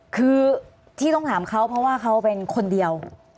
คือที่ต้องถามเขาเพราะว่าเขาเป็นคนเดียว